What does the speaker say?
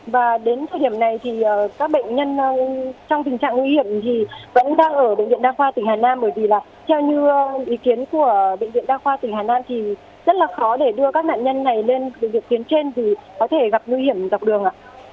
và đến thời điểm này thì các bệnh nhân trong tình trạng nguy hiểm thì cũng đang ở bệnh viện đa khoa tỉnh hà nam bởi vì là theo như ý kiến của bệnh viện đa khoa tỉnh hà nam thì rất là khó để đưa các nạn nhân này lên bệnh viện tuyến trên thì có thể gặp nguy hiểm dọc đường ạ